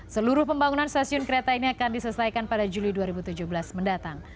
seluruh pembangunan stasiun kereta ini akan diselesaikan pada juli dua ribu tujuh belas mendatang